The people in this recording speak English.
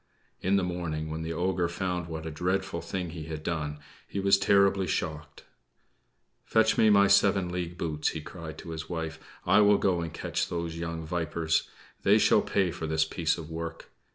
In the morning, when the ogre found what a dreadful thing he had done, he was terribly shocked. "Fetch me my seven league boots," he cried to his wife. "I will go and catch those young vipers. They shall pay for this piece of work!"